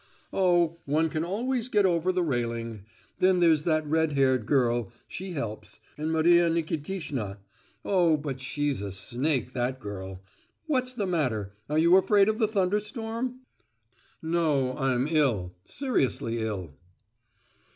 "Oh, one can always get over the railing; then there's that red haired girl, she helps, and Maria Nikitishna—oh, but she's a snake, that girl! What's the matter? Are you afraid of the thunder storm?" "No, I'm ill—seriously ill!"